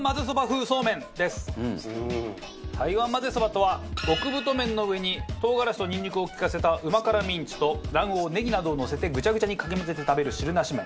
台湾まぜそばとは極太麺の上に唐辛子とニンニクを利かせたうま辛ミンチと卵黄ネギなどをのせてグチャグチャにかき混ぜて食べる汁なし麺。